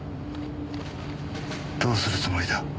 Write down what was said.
どうするつもりだ？